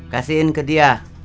kasihin ke dia